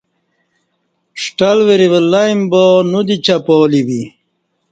ݜٹل وری ولہ ایم بانو دی چپالی بی